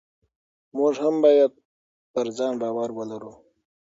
موږ هم باید پر ځان باور ولرو.